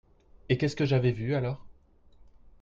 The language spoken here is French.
Et qu'est-ce j'avais vu alors ?